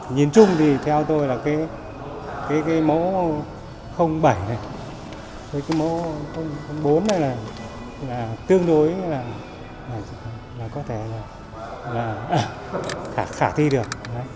nhìn chung thì theo tôi là cái mẫu bảy này cái mẫu bốn này là tương đối là có thể là ở khả thi được